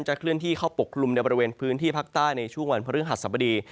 เคลื่อนที่เข้าปกกลุ่มในบริเวณพื้นที่ภาคใต้ในช่วงวันพฤหัสสบดี